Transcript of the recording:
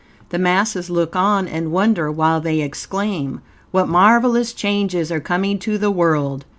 The masses look on and wonder, while they exclaim: "What marvelous changes are coming to the world!"